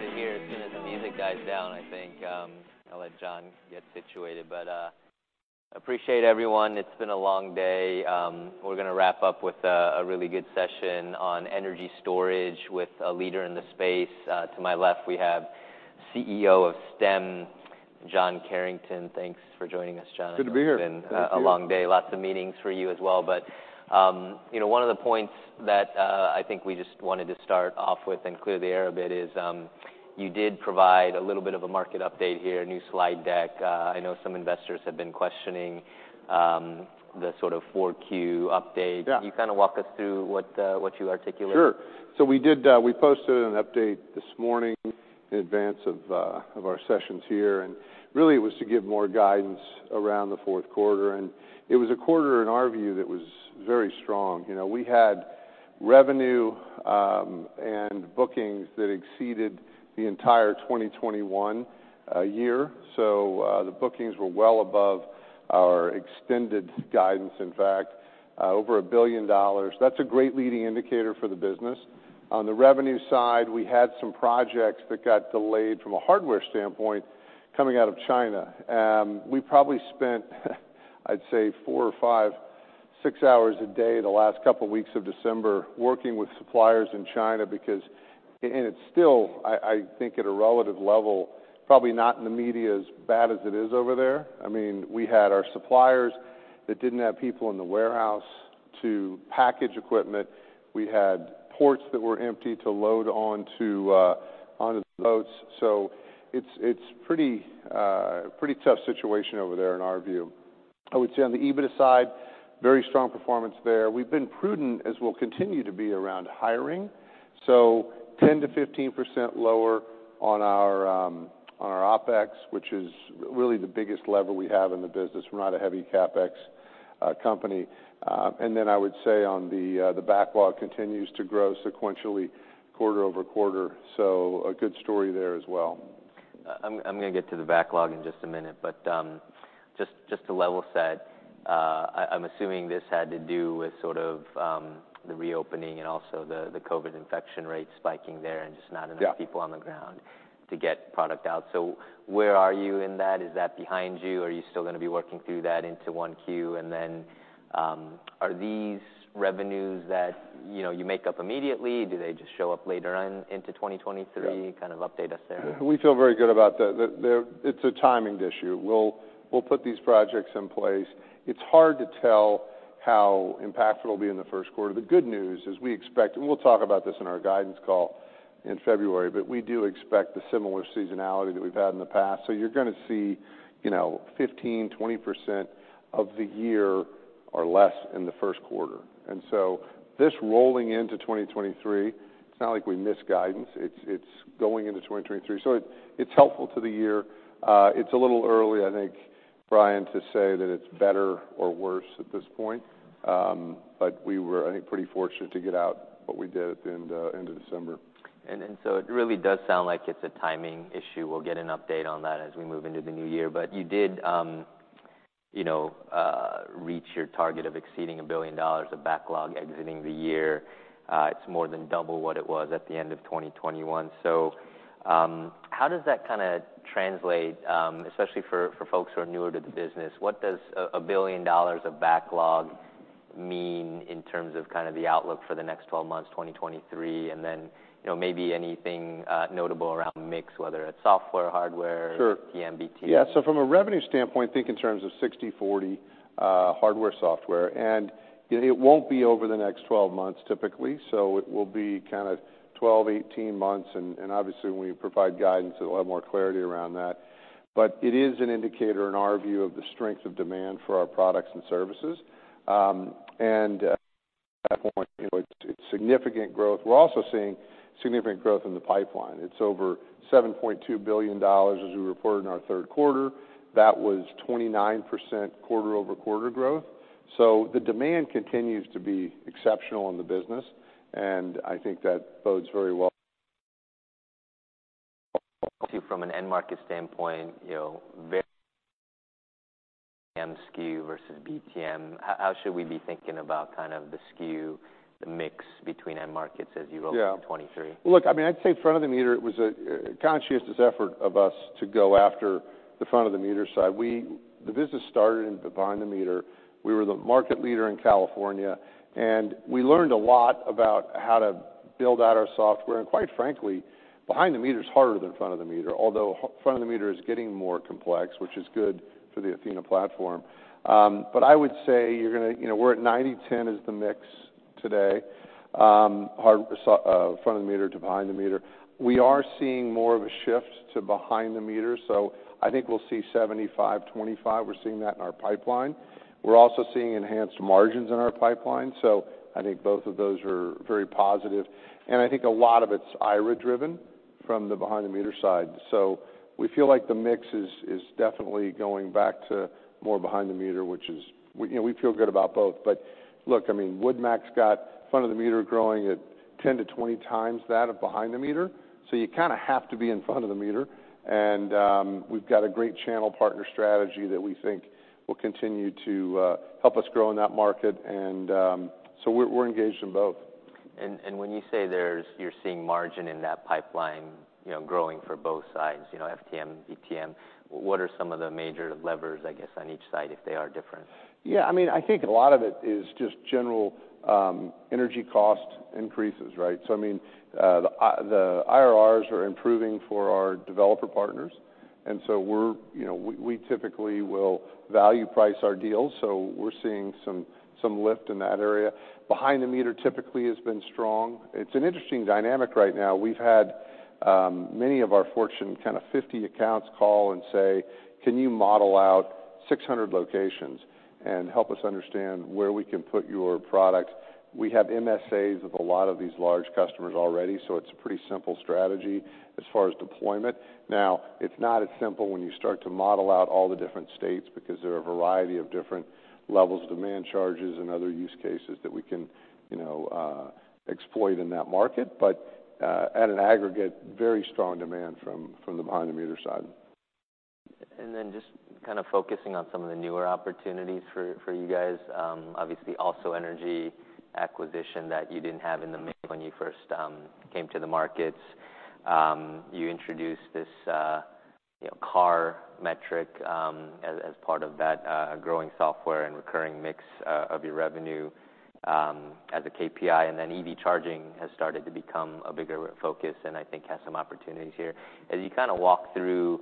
I'm gonna get started here as soon as the music dies down, I think. I'll let John get situated. Appreciate everyone. It's been a long day. We're gonna wrap up with a really good session on energy storage with a leader in the space. To my left, we have CEO of Stem, John Carrington. Thanks for joining us, John. It's good to be here. It's been- Thanks to you.... a long day. Lots of meetings for you as well. You know, one of the points that I think we just wanted to start off with and clear the air a bit is, you did provide a little bit of a market update here, a new slide deck. I know some investors have been questioning the sort of 4Q update. Yeah. Can you kind of walk us through what you articulated? Sure. We did. We posted an update this morning in advance of our sessions here, and really it was to give more guidance around the fourth quarter. It was a quarter in our view that was very strong. You know, we had revenue and bookings that exceeded the entire 2021 year. The bookings were well above our extended guidance, in fact, over $1 billion. That's a great leading indicator for the business. On the revenue side, we had some projects that got delayed from a hardware standpoint coming out of China. We probably spent, I'd say four or five, six hours a day the last couple weeks of December working with suppliers in China because. It's still, I think at a relative level, probably not in the media as bad as it is over there. I mean, we had our suppliers that didn't have people in the warehouse to package equipment. We had ports that were empty to load onto the boats. It's a pretty tough situation over there in our view. I would say on the EBIT side, very strong performance there. We've been prudent as we'll continue to be around hiring, so 10%-15% lower on our OpEx, which is really the biggest lever we have in the business. We're not a heavy CapEx company. I would say on the backlog continues to grow sequentially quarter-over-quarter, so a good story there as well. I'm gonna get to the backlog in just a minute. Just to level set, I'm assuming this had to do with sort of, the reopening and also the COVID infection rate spiking there. Yeah... people on the ground to get product out. Where are you in that? Is that behind you? Are you still gonna be working through that into 1Q? Are these revenues that, you know, you make up immediately? Do they just show up later on into 2023? Yeah. Kind of update us there. We feel very good about It's a timing issue. We'll put these projects in place. It's hard to tell how impactful it'll be in the first quarter. The good news is we expect, and we'll talk about this in our guidance call in February, but we do expect the similar seasonality that we've had in the past. You're gonna see, you know, 15%, 20% of the year or less in the first quarter. This rolling into 2023, it's not like we missed guidance. It's, it's going into 2023. It's helpful to the year. It's a little early, I think, Brian, to say that it's better or worse at this point. We were I think pretty fortunate to get out what we did at the end of December. It really does sound like it's a timing issue. We'll get an update on that as we move into the new year. You did, you know, reach your target of exceeding a $1 billion of backlog exiting the year. It's more than double what it was at the end of 2021. How does that kinda translate, especially for folks who are newer to the business? What does a $1 billion of backlog mean in terms of kind of the outlook for the next 12 months, 2023? Then, you know, maybe anything notable around mix, whether it's software, hardware- Sure... FTM, BTM. Yeah. From a revenue standpoint, think in terms of 60/40 hardware, software. You know, it won't be over the next 12 months typically, so it will be kind of 12-18 months, and obviously when we provide guidance, there'll have more clarity around that. It is an indicator in our view of the strength of demand for our products and services. At that point, you know, it's significant growth. We're also seeing significant growth in the pipeline. It's over $7.2 billion as we reported in our third quarter. That was 29% quarter-over-quarter growth. The demand continues to be exceptional in the business, and I think that bodes very well. From an end market standpoint, you know, [inaudible] versus BTM. How should we be thinking about kind of the FTM, the mix between end markets as you roll into 2023? Yeah. Look, I mean, I'd say Front-of-the-Meter was a conscientious effort of us to go after the Front-of-the-Meter side. The business started in Behind-the-Meter. We were the market leader in California, and we learned a lot about how to build out our software. Quite frankly, Behind-the-Meter is harder than Front-of-the-Meter, although Front-of-the-Meter is getting more complex, which is good for the Athena platform. I would say You know, we're at 90/10 is the mix today, Front-of-the-Meter to Behind-the-Meter. We are seeing more of a shift to Behind-the-Meter, so I think we'll see 75/25. We're seeing that in our pipeline. We're also seeing enhanced margins in our pipeline, so I think both of those are very positive. I think a lot of it's IRA-driven from the behind the meter side. We feel like the mix is definitely going back to more behind the meter, which you know, we feel good about both. Look, I mean, WoodMac's got Front-of-the-Meter growing at 10 to 20 times that of behind the meter, so you kinda have to be in Front-of-the-Meter. We've got a great channel partner strategy that we think will continue to help us grow in that market. We're engaged in both. When you say you're seeing margin in that pipeline, you know, growing for both sides, you know, FTM, BTM, what are some of the major levers, I guess, on each side, if they are different? Yeah, I mean, I think a lot of it is just general energy cost increases, right? I mean, the IRRs are improving for our developer partners. You know, we typically will value price our deals. We're seeing some lift in that area. Behind the meter typically has been strong. It's an interesting dynamic right now. We've had many of our Fortune kind of 50 accounts call and say, "Can you model out 600 locations and help us understand where we can put your product?" We have MSAs with a lot of these large customers already. It's a pretty simple strategy as far as deployment. It's not as simple when you start to model out all the different states because there are a variety of different levels of demand charges and other use cases that we can, you know, exploit in that market. At an aggregate, very strong demand from the behind the meter side. Just kind of focusing on some of the newer opportunities for you guys, obviously, AlsoEnergy acquisition that you didn't have in the mix when you first came to the markets. You introduced this, you know, CARR metric, as part of that, growing software and recurring mix, of your revenue, as a KPI, EV charging has started to become a bigger focus and I think has some opportunities here. You kind of walk through,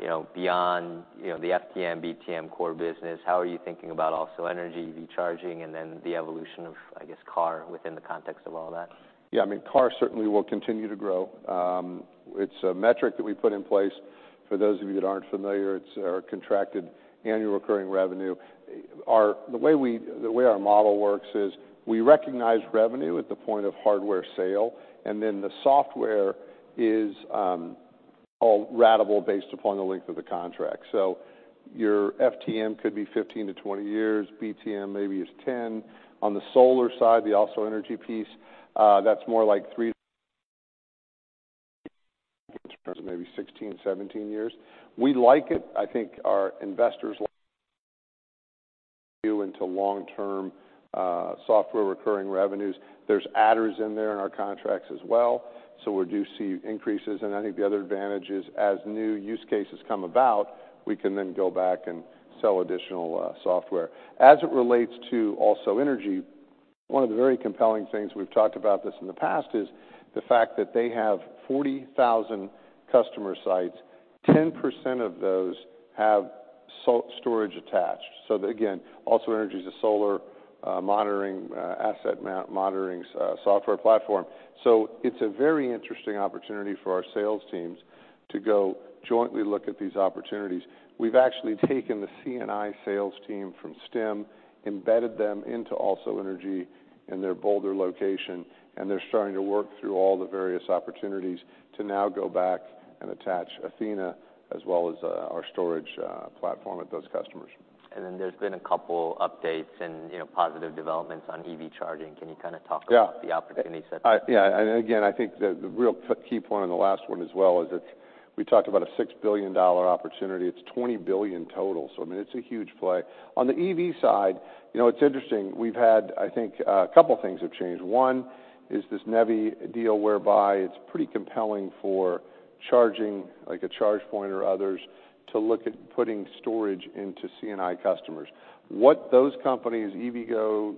you know, beyond, you know, the FTM, BTM core business, how are you thinking about AlsoEnergy, EV charging, and then the evolution of, I guess, CARR within the context of all that? Yeah, I mean, CARR certainly will continue to grow. It's a metric that we put in place. For those of you that aren't familiar, it's our Contracted Annual Recurring Revenue. The way our model works is we recognize revenue at the point of hardware sale, then the software is all ratable based upon the length of the contract. Your FTM could be 15 to 20 years, BTM maybe is 10. On the solar side, the AlsoEnergy piece, that's more like three maybe 16, 17 years. We like it. I think our investors like into long-term software recurring revenues. There's adders in there in our contracts as well, we do see increases. I think the other advantage is, as new use cases come about, we can then go back and sell additional software. As it relates to AlsoEnergy, one of the very compelling things, we've talked about this in the past, is the fact that they have 40,000 customer sites. 10% of those have storage attached. Again, AlsoEnergy is a solar, monitoring, asset monitoring software platform. It's a very interesting opportunity for our sales teams to go jointly look at these opportunities. We've actually taken the C&I sales team from Stem, embedded them into AlsoEnergy in their Boulder location, and they're starting to work through all the various opportunities to now go back and attach Athena as well as our storage platform at those customers. There's been a couple updates and, you know, positive developments on EV charging. Can you kind of talk about? Yeah the opportunities. Yeah, again, I think the real key point on the last one as well is it's, we talked about a $6 billion opportunity. It's $20 billion total. I mean, it's a huge play. On the EV side, you know, it's interesting. We've had, I think, a couple things have changed. One is this NEVI deal whereby it's pretty compelling for charging, like a ChargePoint or others, to look at putting storage into C&I customers. What those companies, EVgo,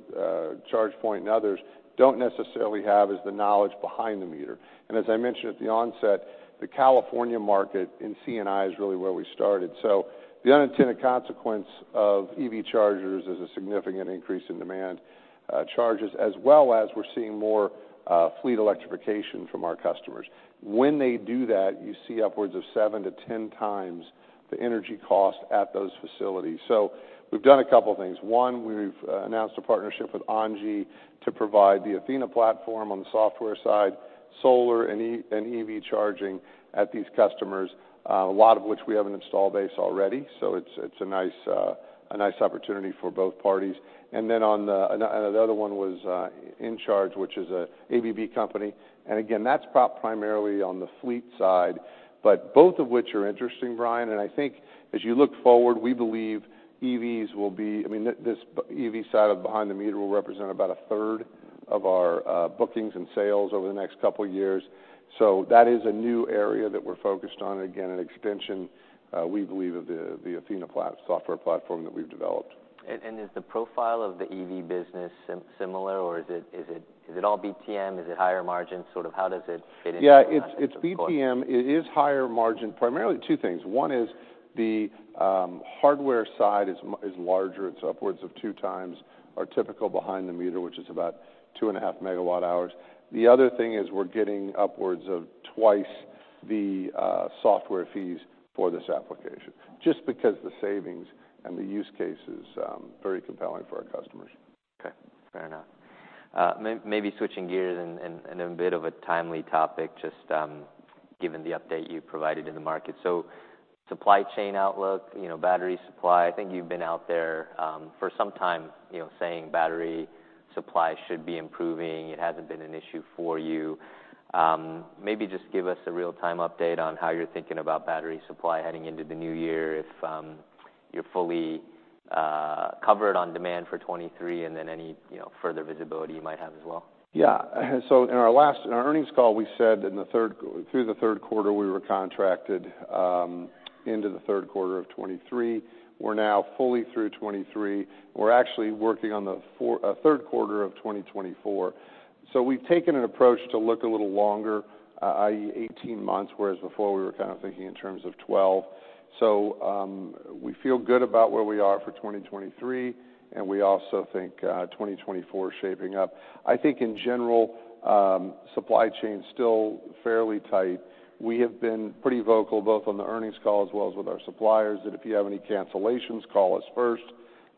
ChargePoint, and others don't necessarily have is the knowledge behind the meter. As I mentioned at the onset, the California market in C&I is really where we started. The unintended consequence of EV chargers is a significant increase in demand charges, as well as we're seeing more fleet electrification from our customers. When they do that, you see upwards of 7 to 10 times the energy cost at those facilities. We've done a couple things. One, we've announced a partnership with ENGIE to provide the Athena platform on the software side, solar and EV charging at these customers, a lot of which we have an install base already, so it's a nice opportunity for both parties. The other one was In-Charge, which is a ABB company, and again, that's primarily on the fleet side, but both of which are interesting, Brian. I think as you look forward, we believe EVs will be... I mean, this EV side of behind the meter will represent about 1/3 of our bookings and sales over the next couple years. That is a new area that we're focused on. Again, an extension, we believe of the Athena software platform that we've developed. Is the profile of the EV business similar, or is it all BTM? Is it higher margin? Sort of how does it fit into the landscape of... It's BTM. It is higher margin. Primarily two things. One is the hardware side is larger. It's upwards of two times our typical behind the meter, which is about 2.5 MWh. The other thing is we're getting upwards of twice the software fees for this application, just because the savings and the use case is very compelling for our customers. Okay. Fair enough. Maybe switching gears and in a bit of a timely topic, just given the update you provided in the market. Supply chain outlook, you know, battery supply, I think you've been out there for some time, you know, saying battery supply should be improving. It hasn't been an issue for you. Maybe just give us a real-time update on how you're thinking about battery supply heading into the new year, if you're fully covered on demand for 2023, and then any, you know, further visibility you might have as well? In our earnings call, we said through the third quarter, we were contracted into the third quarter of 2023. We're now fully through 2023. We're actually working on the third quarter of 2024. We've taken an approach to look a little longer, i.e., 18 months, whereas before we were kind of thinking in terms of 12. We feel good about where we are for 2023, and we also think 2024 is shaping up. I think in general, supply chain's still fairly tight. We have been pretty vocal, both on the earnings call as well as with our suppliers, that if you have any cancellations, call us first.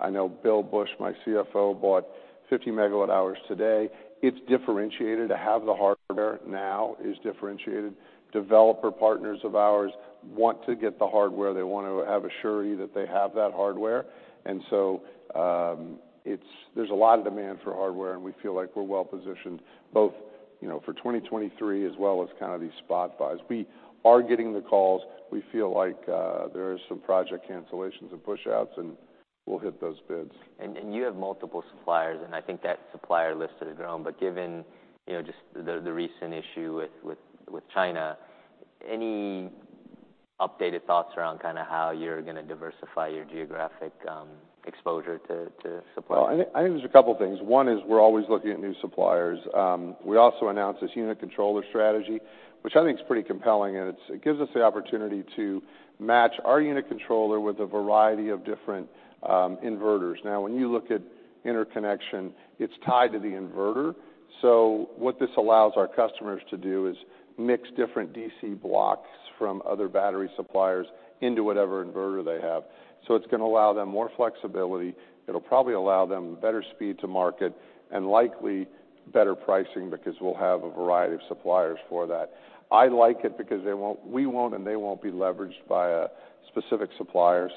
I know Bill Bush, my CFO, bought 50 MWh today. It's differentiated. To have the hardware now is differentiated. Developer partners of ours want to get the hardware. They want to have assurity that they have that hardware. There's a lot of demand for hardware, and we feel like we're well positioned both, you know, for 2023 as well as kind of these spot buys. We are getting the calls. We feel like there is some project cancellations and pushouts, and we'll hit those bids. You have multiple suppliers, and I think that supplier list has grown. Given, you know, just the recent issue with China, any updated thoughts around kind of how you're gonna diversify your geographic exposure to suppliers? Well, I think there's a couple things. One is we're always looking at new suppliers. We also announced this unit controller strategy, which I think is pretty compelling, and it gives us the opportunity to match our unit controller with a variety of different inverters. When you look at interconnection, it's tied to the inverter. What this allows our customers to do is mix different DC blocks from other battery suppliers into whatever inverter they have. It's gonna allow them more flexibility. It'll probably allow them better speed to market and likely better pricing because we'll have a variety of suppliers for that. I like it because we won't and they won't be leveraged by a specific supplier.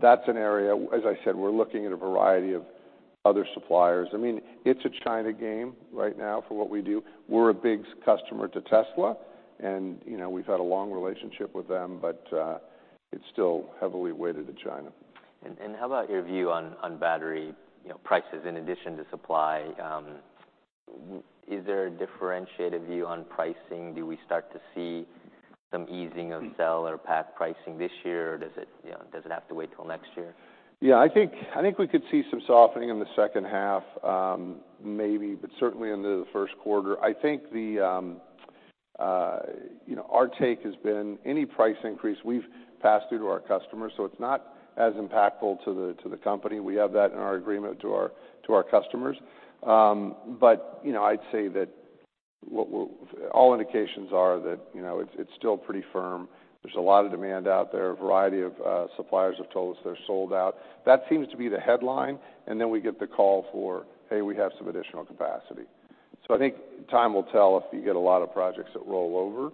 That's an area. As I said, we're looking at a variety of other suppliers. I mean, it's a China game right now for what we do. We're a big customer to Tesla, and, you know, we've had a long relationship with them. It's still heavily weighted to China. How about your view on battery, you know, prices in addition to supply? Is there a differentiated view on pricing? Do we start to see some easing of cell or pack pricing this year, or does it, you know, does it have to wait till next year? Yeah, I think we could see some softening in the second half, maybe, but certainly into the first quarter. I think the, you know, our take has been any price increase we've passed through to our customers, so it's not as impactful to the company. We have that in our agreement to our customers. But, you know, I'd say that all indications are that, you know, it's still pretty firm. There's a lot of demand out there. A variety of suppliers have told us they're sold out. That seems to be the headline, and then we get the call for, "Hey, we have some additional capacity." I think time will tell if you get a lot of projects that roll over.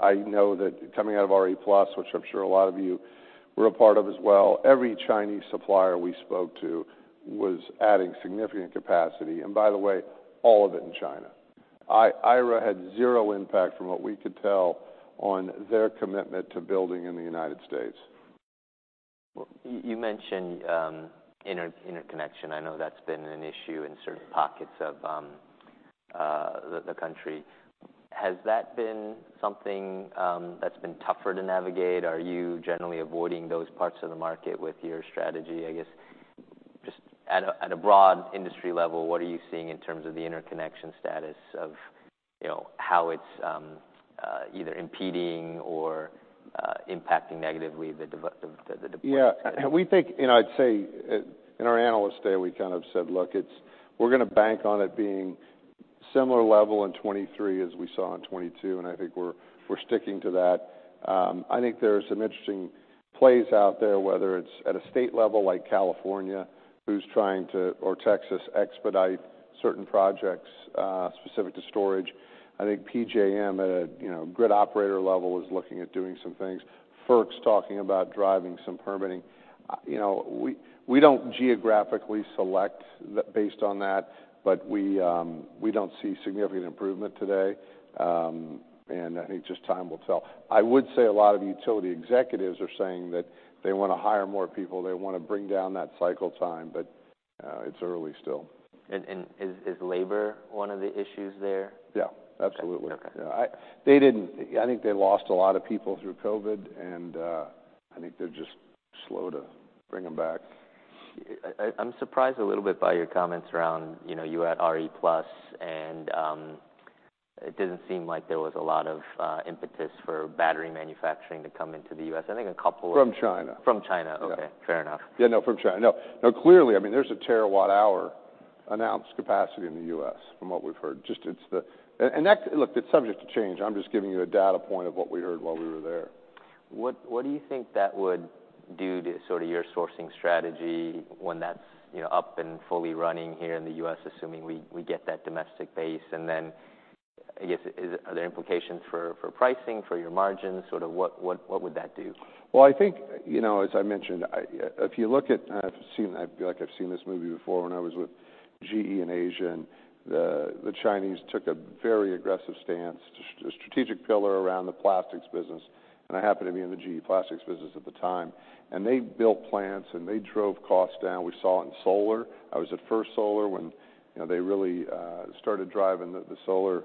I know that coming out of RE+, which I'm sure a lot of you were a part of as well, every Chinese supplier we spoke to was adding significant capacity, and by the way, all of it in China. IRA had zero impact from what we could tell on their commitment to building in the United States. Well, you mentioned interconnection. I know that's been an issue in certain pockets of the country. Has that been something that's been tougher to navigate? Are you generally avoiding those parts of the market with your strategy? I guess just at a broad industry level, what are you seeing in terms of the interconnection status of, you know, how it's either impeding or impacting negatively the deployment side? We think, you know, I'd say, in our Analyst Day, we kind of said, "Look, it's, we're gonna bank on it being similar level in 2023 as we saw in 2022," and I think we're sticking to that. I think there are some interesting plays out there, whether it's at a state level like California, who's trying to, or Texas, expedite certain projects specific to storage. I think PJM at a, you know, grid operator level is looking at doing some things. FERC's talking about driving some permitting. You know, we don't geographically select based on that, but we don't see significant improvement today. I think just time will tell. I would say a lot of utility executives are saying that they wanna hire more people. They wanna bring down that cycle time. It's early still. Is labor one of the issues there? Yeah, absolutely. Okay. Okay. I think they lost a lot of people through COVID, and I think they're just slow to bring them back. I'm surprised a little bit by your comments around, you know, you had RE+, and it didn't seem like there was a lot of impetus for battery manufacturing to come into the U.S. From China. From China. Yeah. Okay. Fair enough. Yeah, no, from China. No. No, clearly, I mean, there's a terawatt hour announced capacity in the U.S. from what we've heard. That's, look, it's subject to change. I'm just giving you a data point of what we heard while we were there. What, what do you think that would do to sort of your sourcing strategy when that's, you know, up and fully running here in the U.S., assuming we get that domestic base? Then I guess is, are there implications for pricing, for your margins? Sort of what, what would that do? Well, I think, you know, as I mentioned, I feel like I've seen this movie before when I was with GE in Asia. The Chinese took a very aggressive stance, a strategic pillar around the plastics business. I happened to be in the GE Plastics business at the time. They built plants, and they drove costs down. We saw it in solar. I was at First Solar when, you know, they really started driving the solar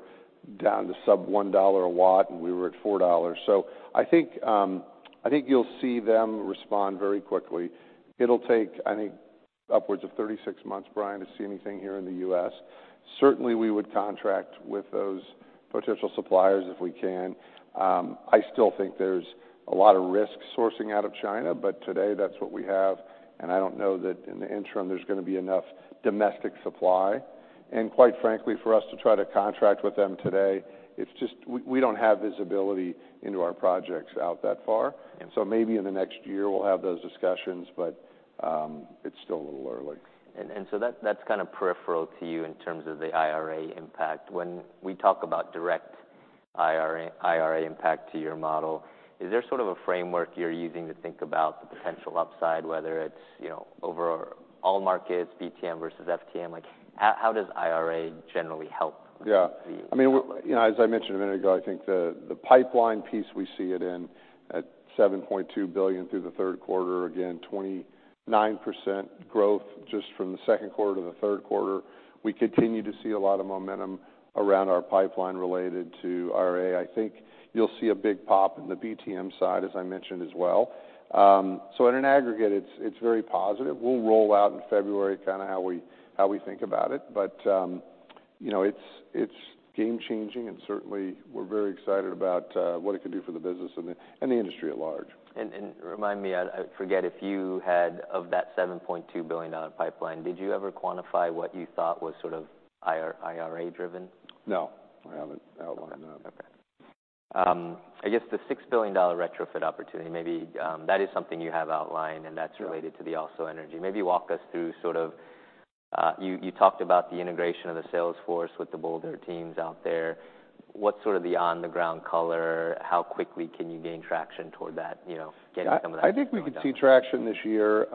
down to sub $1 a watt, and we were at $4. I think, I think you'll see them respond very quickly. It'll take, I think, upwards of 36 months, Brian, to see anything here in the U.S. Certainly, we would contract with those potential suppliers if we can. I still think there's a lot of risk sourcing out of China, but today that's what we have, and I don't know that in the interim there's gonna be enough domestic supply. Quite frankly, for us to try to contract with them today, it's just we don't have visibility into our projects out that far. Yeah. Maybe in the next year we'll have those discussions, but it's still a little early. That's kind of peripheral to you in terms of the IRA impact. When we talk about direct IRA impact to your model, is there sort of a framework you're using to think about the potential upside, whether it's, you know, over all markets, BTM versus FTM? Like how does IRA generally help. Yeah the outlook? I mean, you know, as I mentioned a minute ago, I think the pipeline piece we see it in at $7.2 billion through the third quarter. Again, 29% growth just from the second quarter to the third quarter. We continue to see a lot of momentum around our pipeline related to IRA. I think you'll see a big pop in the BTM side, as I mentioned as well. So in an aggregate, it's very positive. We'll roll out in February kinda how we, how we think about it. You know, it's game changing, and certainly we're very excited about, what it can do for the business and the, and the industry at large. Remind me, I forget if you had of that $7.2 billion pipeline, did you ever quantify what you thought was sort of IRA driven? No. I haven't outlined that. Okay. I guess the $6 billion retrofit opportunity, maybe, that is something you have outlined. Yeah ...related to the AlsoEnergy. Maybe walk us through sort of. You talked about the integration of the sales force with the Boulder teams out there. What's sort of the on the ground color? How quickly can you gain traction toward that, you know, getting some of that going down? I think we could see traction this year.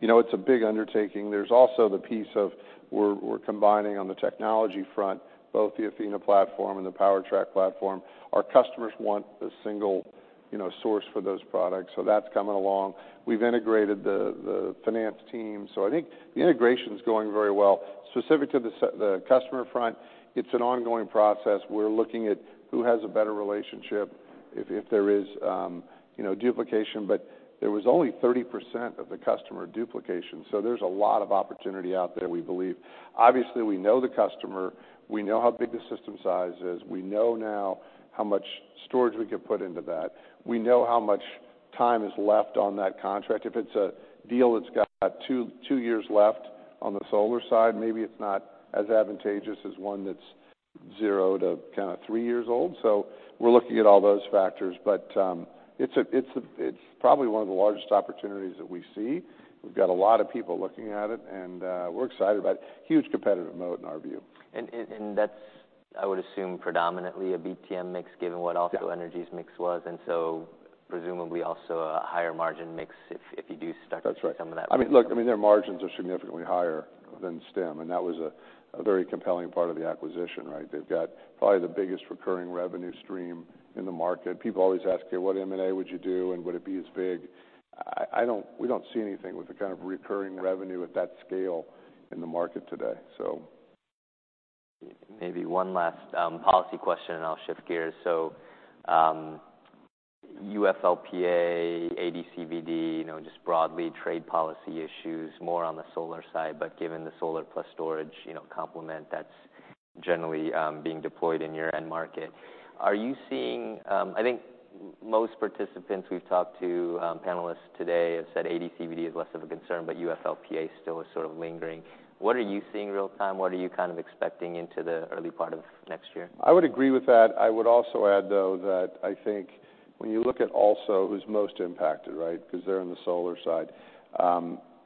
You know, it's a big undertaking. There's also the piece of we're combining on the technology front, both the Athena platform and the PowerTrack platform. Our customers want the single, you know, source for those products. That's coming along. We've integrated the finance team. I think the integration's going very well. Specific to the customer front, it's an ongoing process. We're looking at who has a better relationship if there is, you know, duplication. There was only 30% of the customer duplication. There's a lot of opportunity out there we believe. Obviously, we know the customer. We know how big the system size is. We know now how much storage we could put into that. We know how much time is left on that contract. If it's a deal that's got two years left on the solar side, maybe it's not as advantageous as one that's zero to kinda three years old. We're looking at all those factors. It's probably one of the largest opportunities that we see. We've got a lot of people looking at it, and we're excited about it. Huge competitive moat in our view. That's, I would assume, predominantly a BTM mix given what... Yeah Energy's mix was, presumably also a higher margin mix if you do start- That's right. some of that I mean, look, I mean, their margins are significantly higher than Stem, and that was a very compelling part of the acquisition, right? They've got probably the biggest recurring revenue stream in the market. People always ask, "Okay, what M&A would you do, and would it be as big?" We don't see anything with the kind of recurring revenue at that scale in the market today, so. Maybe one last policy question and I'll shift gears. UFLPA, AD/CVD, you know, just broadly trade policy issues, more on the solar side, but given the solar plus storage, you know, complement that's generally being deployed in your end market. Are you seeing, I think most participants we've talked to, panelists today have said AD/CVD is less of a concern, but UFLPA still is sort of lingering. What are you seeing real time? What are you kind of expecting into the early part of next year? I would agree with that. I would also add, though, that I think when you look at Also, who's most impacted, right? 'Cause they're in the solar side.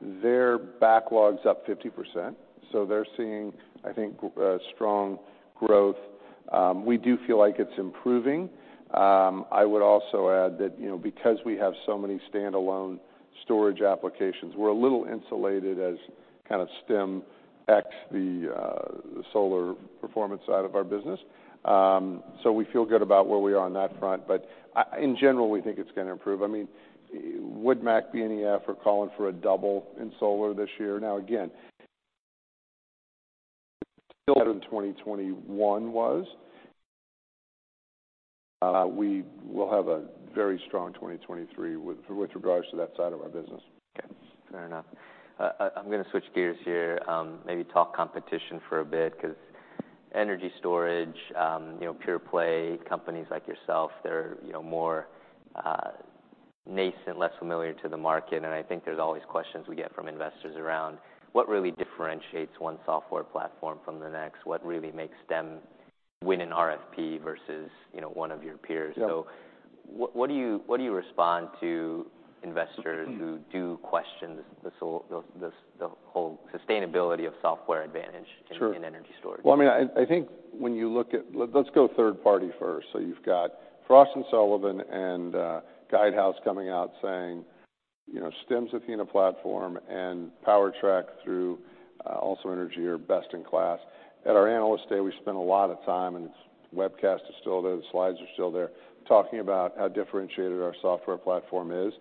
Their backlog's up 50%, so they're seeing, I think, strong growth. We do feel like it's improving. I would also add that, you know, because we have so many standalone storage applications, we're a little insulated as kind of Stem X the solar performance side of our business. We feel good about where we are on that front. In general, we think it's gonna improve. I mean, WoodMac calling for a double in solar this year? Again, still in 2021 was, we will have a very strong 2023 with regards to that side of our business. Okay. Fair enough. I'm gonna switch gears here, maybe talk competition for a bit, 'cause energy storage, you know, pure play companies like yourself, they're, you know, more nascent, less familiar to the market. I think there's always questions we get from investors around what really differentiates one software platform from the next, what really makes Stem win an RFP versus, you know, one of your peers. Yeah. What do you respond to investors? Mm... who do question the whole sustainability of software advantage- Sure... in energy storage? I mean, I think when you look at let's go third party first. You've got Frost & Sullivan and Guidehouse coming out saying, you know, Stem's Athena platform and PowerTrack through AlsoEnergy are best in class. At our analyst day, we spent a lot of time, and it's webcast is still there, the slides are still there, talking about how differentiated our software platform is.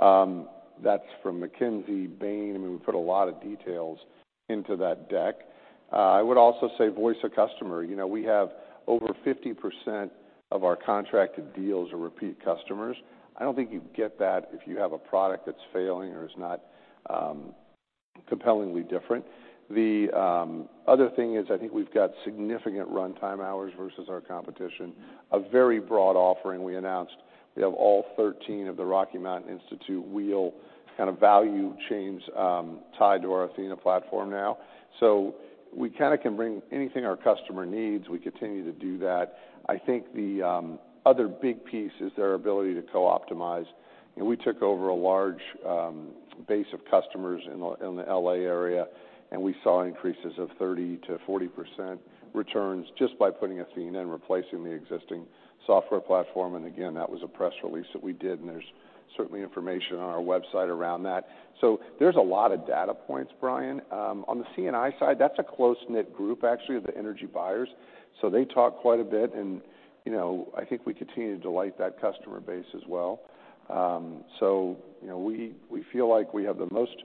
That's from McKinsey, Bain. I mean, we put a lot of details into that deck. I would also say voice of customer. You know, we have over 50% of our contracted deals are repeat customers. I don't think you'd get that if you have a product that's failing or is not compellingly different. The other thing is, I think we've got significant runtime hours versus our competition. A very broad offering we announced. We have all 13 of the Rocky Mountain Institute wheel kind of value chains tied to our Athena platform now. We kinda can bring anything our customer needs, we continue to do that. I think the other big piece is their ability to co-optimize. You know, we took over a large base of customers in the L.A. area, and we saw increases of 30%-40% returns just by putting Athena in, replacing the existing software platform. Again, that was a press release that we did, and there's certainly information on our website around that. There's a lot of data points, Brian. On the C&I side, that's a close-knit group actually of the energy buyers, so they talk quite a bit. You know, I think we continue to delight that customer base as well. You know, we feel like we have the most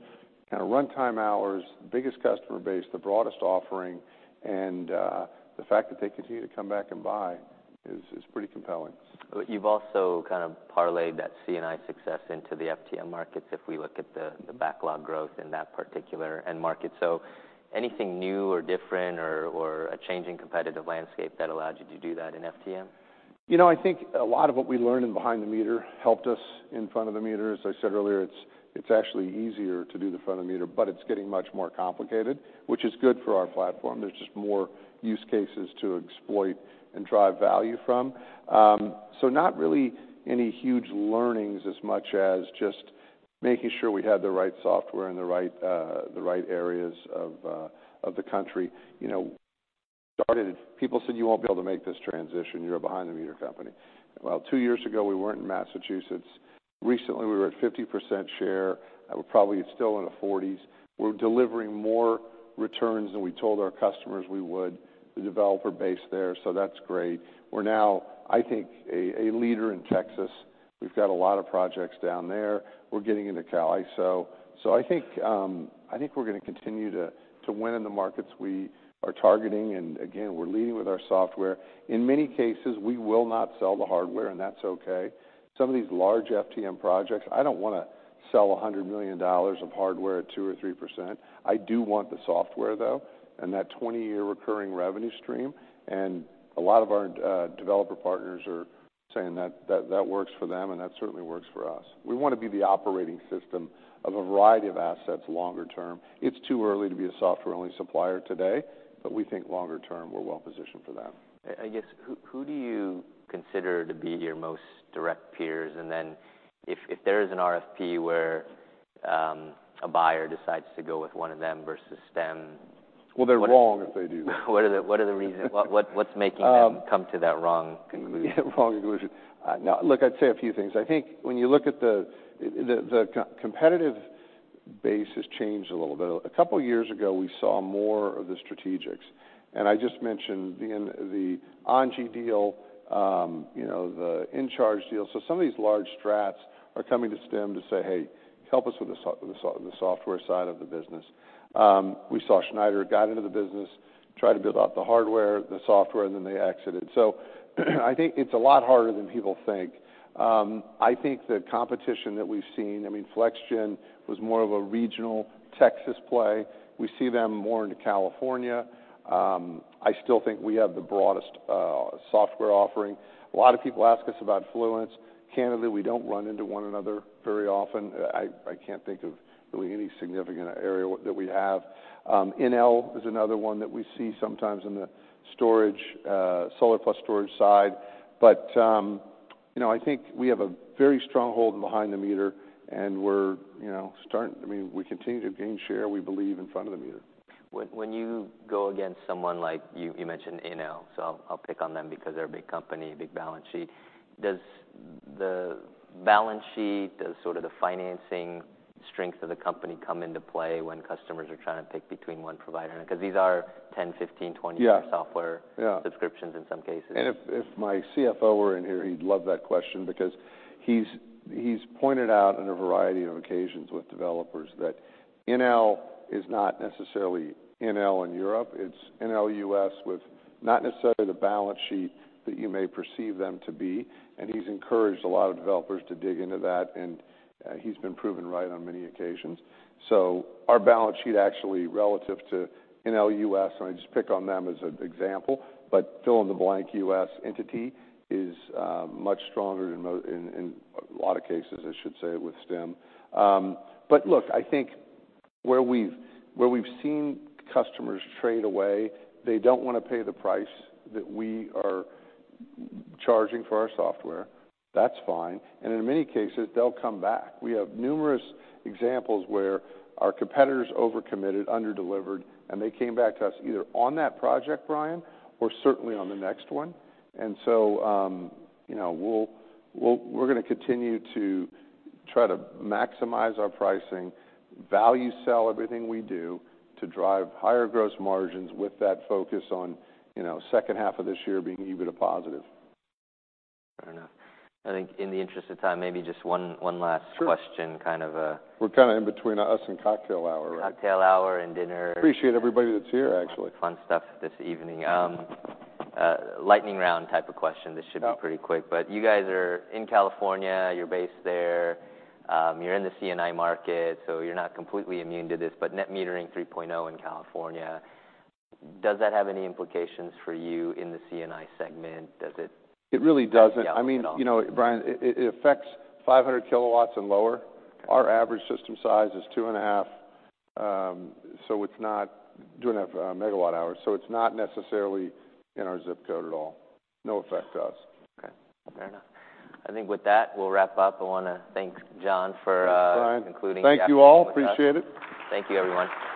kinda runtime hours, the biggest customer base, the broadest offering, and the fact that they continue to come back and buy is pretty compelling. You've also kind of parlayed that C&I success into the FTM markets if we look at the backlog growth in that particular end market. Anything new or different or a changing competitive landscape that allowed you to do that in FTM? You know, I think a lot of what we learned in behind the meter helped us in front of the meter. As I said earlier, it's actually easier to do the front of the meter, but it's getting much more complicated, which is good for our platform. There's just more use cases to exploit and drive value from. Not really any huge learnings as much as just making sure we had the right software in the right, the right areas of the country. You know, started, people said, "You won't be able to make this transition. You're a behind the meter company." Well, two years ago we weren't in Massachusetts. Recently, we were at 50% share, we're probably still in the forties. We're delivering more returns than we told our customers we would, the developer base there, that's great. We're now, I think, a leader in Texas. We've got a lot of projects down there. We're getting into Cali. I think we're gonna continue to win in the markets we are targeting, and again, we're leading with our software. In many cases, we will not sell the hardware, and that's okay. Some of these large FTM projects, I don't wanna sell $100 million of hardware at 2% or 3%. I do want the software, though, and that 20-year recurring revenue stream. A lot of our developer partners are saying that works for them, and that certainly works for us. We wanna be the operating system of a variety of assets longer term. It's too early to be a software-only supplier today, but we think longer term we're well positioned for that. I guess, who do you consider to be your most direct peers? Then if there is an RFP where a buyer decides to go with one of them versus Stem, Well, they're wrong if they do that. What's making them- Um- come to that wrong conclusion? Wrong conclusion. No, look, I'd say a few things. I think when you look at the competitive base has changed a little bit. A couple years ago we saw more of the strategics. I just mentioned the ENGIE deal, you know, the In-Charge Energy deal. Some of these large strats are coming to Stem to say, "Hey, help us with the software side of the business." We saw Schneider got into the business, try to build out the hardware, the software, and then they exited. I think it's a lot harder than people think. I think the competition that we've seen, I mean, FlexGen was more of a regional Texas play. We see them more into California. I still think we have the broadest software offering. A lot of people ask us about Fluence. Candidly, we don't run into one another very often. I can't think of really any significant area that we have. Enel is another one that we see sometimes in the storage, solar plus storage side. you know, I think we have a very strong hold behind the meter, and we're, you know, I mean, we continue to gain share, we believe, in front of the meter. When you go against someone like you mentioned Enel, so I'll pick on them because they're a big company, big balance sheet. Does the balance sheet, does sort of the financing strength of the company come into play when customers are trying to pick between one provider and... 'Cause these are 10, 15, 20-year- Yeah... software- Yeah... subscriptions in some cases. If my CFO were in here, he'd love that question because he's pointed out in a variety of occasions with developers that Enel is not necessarily Enel in Europe. It's Enel U.S. with not necessarily the balance sheet that you may perceive them to be, and he's encouraged a lot of developers to dig into that, he's been proven right on many occasions. Our balance sheet actually relative to Enel U.S., and I just pick on them as an example, but fill-in-the-blank U.S. entity is much stronger than in a lot of cases, I should say, with Stem. Look, I think where we've seen customers trade away, they don't wanna pay the price that we are charging for our software. That's fine, and in many cases, they'll come back. We have numerous examples where our competitors overcommitted, underdelivered, and they came back to us either on that project, Brian, or certainly on the next one. You know, we're gonna continue to try to maximize our pricing, value sell everything we do to drive higher gross margins with that focus on, you know, second half of this year being EBITDA positive. Fair enough. I think in the interest of time, maybe just one last. Sure... question, kind of. We're kinda in between us and cocktail hour, right? Cocktail hour and dinner. Appreciate everybody that's here, actually. Fun stuff this evening. Lightning round type of question. Oh... be pretty quick, but you guys are in California. You're based there. You're in the C&I market, so you're not completely immune to this, but Net Metering 3.0 in California, does that have any implications for you in the C&I segment? It really doesn't... affect you all at all? I mean, you know, Brian, it affects 500 kW and lower. Okay. Our average system size is 2.5 MWh. It's not necessarily in our zip code at all. No effect to us. Okay. Fair enough. I think with that, we'll wrap up. I wanna thank John for. Thanks, Brian. concluding the afternoon with us. Thank you all. Appreciate it. Thank you, everyone. Thanks, Brian.